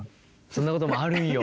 そんなこともあるんよ。